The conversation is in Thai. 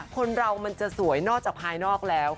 คนเรามันจะสวยนอกจากภายนอกแล้ว